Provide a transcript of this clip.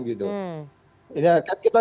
gitu kan kita